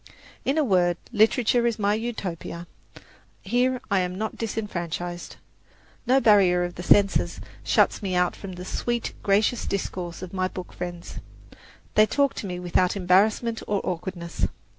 In a word, literature is my Utopia. Here I am not disfranchised. No barrier of the senses shuts me out from the sweet, gracious discourse of my book friends. They talk to me without embarrassment or awkwardness.